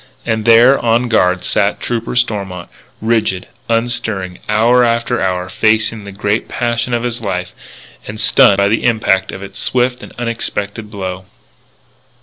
And there, on guard, sat Trooper Stormont, rigid, unstirring, hour after hour, facing the first great passion of his life, and stunned by the impact of its swift and unexpected blow.